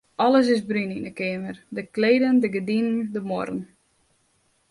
Alles is brún yn 'e keamer: de kleden, de gerdinen, de muorren.